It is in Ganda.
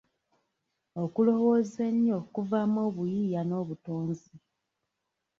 Okulowoza ennyo kuvaamu obuyiiya n'obutonzi.